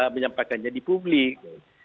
menyampaikannya di publik